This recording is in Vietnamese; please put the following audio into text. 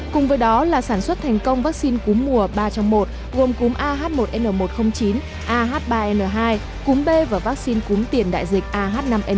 cùng với đó là sản xuất thành công vaccine cúm mùa ba trong một gồm cúm ah một n một trăm linh chín ah ba n hai cúm b và vaccine cúm tiền đại dịch ah năm n một